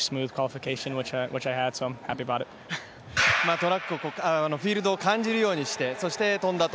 トラック、フィールドを感じるようにして、そして跳んだと。